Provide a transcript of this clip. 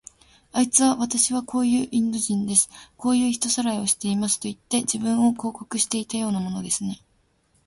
あいつは、わたしはこういうインド人です。こういう人さらいをしますといって、自分を広告していたようなものですね。